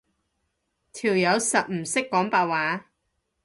條友實唔識講白話